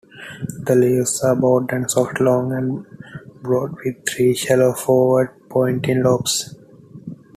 The leaves are broad and soft, long and broad, with three shallow forward-pointing lobes.